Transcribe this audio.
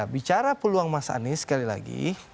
bicara peluang mas anies sekali lagi